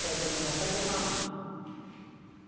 齋藤さん。